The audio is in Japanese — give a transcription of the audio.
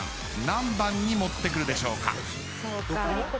何番に持ってくるでしょうか？